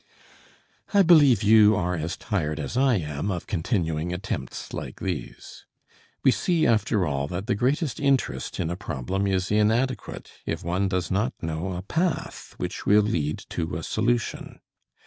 I believe you are as tired as I am of continuing attempts like these. We see, after all, that the greatest interest in a problem is inadequate if one does not know a path which will lead to a solution.